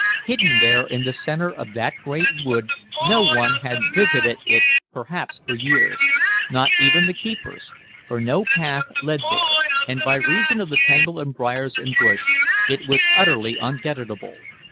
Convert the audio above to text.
Hidden there in the center of that great wood, no one had visited it perhaps for years, not even the keepers, for no path led there, and by reason of the tangle of briars and bush it was utterly ungetatable.